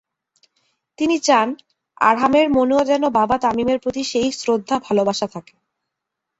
তিনি চান, আরহামের মনেও যেন বাবা তামিমের প্রতি সেই শ্রদ্ধা, ভালোবাসা থাকে।